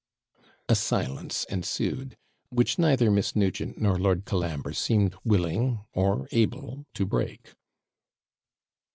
A silence ensued, which neither Miss Nugent nor Lord Colambre seemed willing, or able, to break.